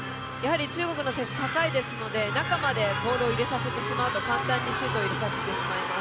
中国の選手高いですので中までボールを入れさせてしまうと簡単にシュートを入れさせてしまいます。